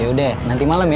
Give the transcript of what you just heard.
yaudah nanti malem ya